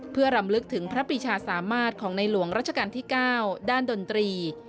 เพื่อรำลึกถึงพระปิชาสามารถของในหลวงรัชกาลที่๙ด้านดนตรี